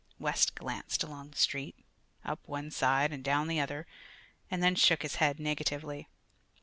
West glanced along the street up one side and down the other and then shook his head negatively.